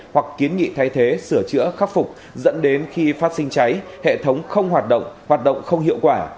hoặc kiến nghị thay thế sửa chữa khắc phục dẫn đến khi phát sinh cháy hệ thống không hoạt động hoạt động không hiệu quả